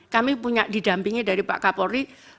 kami punya didampingi dari pak kapolri